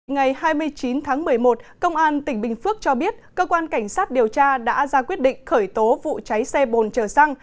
ngày hai mươi chín tháng một mươi một công an tỉnh bình phước cho biết cơ quan cảnh sát điều tra đã ra quyết định khởi tố vụ cháy xe bồn chở xăng